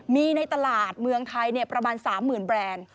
มีในตลาดเมืองไทยประมาณ๓๐๐๐แบรนด์